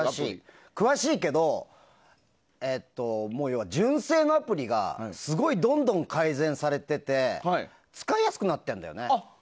詳しいけど要は純正のアプリがすごいどんどん改善されてて使いやすくなってるんだよね。